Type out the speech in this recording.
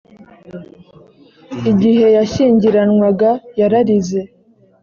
igihe yashyingiranwaga yararize.